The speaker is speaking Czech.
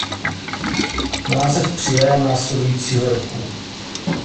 Název přijala následujícího roku.